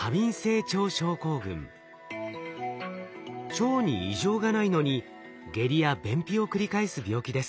腸に異常がないのに下痢や便秘を繰り返す病気です。